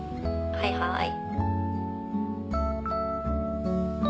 はいはい。